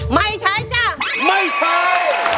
ไม่ใช้จ้ะไม่ใช้